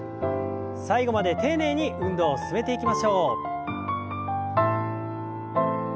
最後まで丁寧に運動を進めていきましょう。